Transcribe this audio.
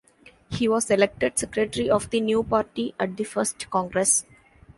He was elected secretary of the new party at the first congress.